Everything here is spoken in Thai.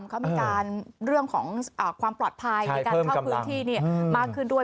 เขามีการเรื่องของความปลอดภัยในการเข้าพื้นที่มากขึ้นด้วย